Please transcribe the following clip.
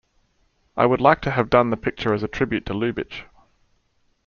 "I would like to have done the picture as a tribute to Lubitsch.